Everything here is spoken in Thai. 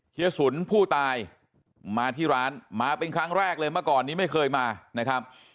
เยสุนผู้ตายมาที่ร้านมาเป็นครั้งแรกเลยเมื่อก่อนนี้ไม่เคยมานะครับ